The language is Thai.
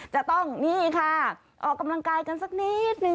จะต้องนี่ค่ะออกกำลังกายกันสักนิดนึง